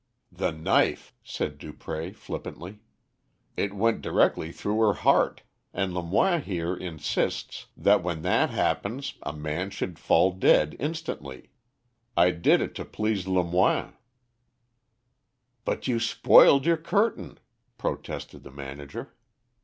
"The knife," said Dupré, flippantly. "It went directly through the heart, and Lemoine here insists that when that happens a man should fall dead instantly. I did it to please Lemoine." "But you spoiled your curtain," protested the manager.